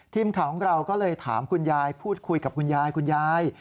ทีมข่าวของเราก็เลยถามคุณยายพูดคุยกับคุณยายคุณยาย